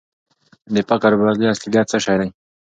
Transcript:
د فقر او بېوزلۍ اصلي علت څه شی دی؟